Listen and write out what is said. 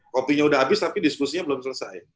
kopinya udah habis tapi diskusinya belum selesai